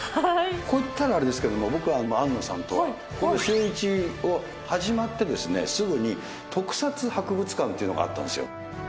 こう言ったらあれですけども僕は庵野さんとは『シューイチ』が始まってすぐに特撮博物館っていうのがあったんですよ。